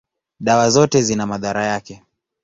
dawa zote zina madhara yake.